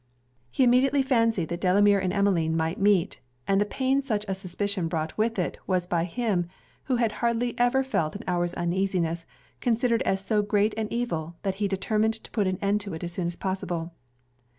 He immediately fancied that Delamere and Emmeline might meet; and the pain such a suspicion brought with it, was by him, who had hardly ever felt an hour's uneasiness, considered as so great an evil, that he determined to put an end to it as soon as possible.